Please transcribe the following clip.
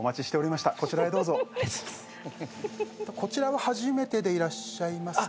こちらは初めてでいらっしゃる？